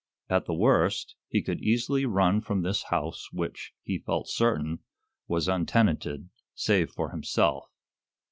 At the worst, he could easily run from this house which, he felt certain, was untenanted save for himself.